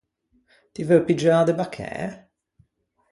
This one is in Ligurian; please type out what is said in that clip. Ti veu piggiâ de baccæ?